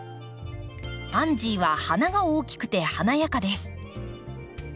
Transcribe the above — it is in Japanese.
パンジーは花が大きくて華やかです。